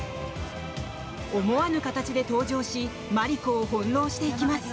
思わぬ形で登場しマリコを翻ろうしていきます。